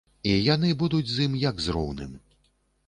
І яны будуць з ім, як з роўным.